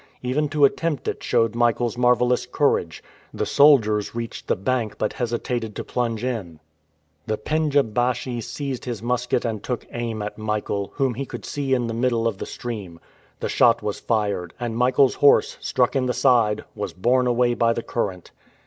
Even to attempt it showed Michael's marvelous courage. The soldiers reached the bank, but hesitated to plunge in. The pendja baschi seized his musket and took aim at Michael, whom he could see in the middle of the stream. The shot was fired, and Michael's horse, struck in the side, was borne away by the current.